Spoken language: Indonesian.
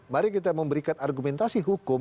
mari kita memberikan argumentasi hukum